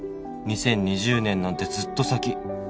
「２０２０年なんてずっと先」